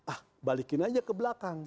ah balikin aja ke belakang